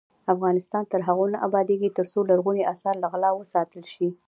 افغانستان تر هغو نه ابادیږي، ترڅو لرغوني اثار له غلا وساتل شي.